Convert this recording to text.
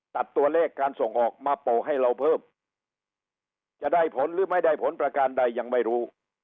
ตัดตัวเลขการส่งออกมาโปะให้เราเพิ่มจะได้ผลหรือไม่ได้ผลประการใดยังไม่รู้